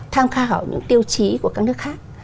tham khảo những tiêu chí của các nước khác